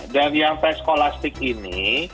dan yang tes skolastik ini